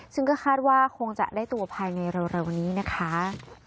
ซึ่งก็คาดว่าคงจะได้ตัวภายในเร็วนี้นะคะ